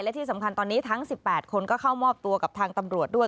และที่สำคัญตอนนี้ทั้ง๑๘คนก็เข้ามอบตัวกับทางตำรวจด้วย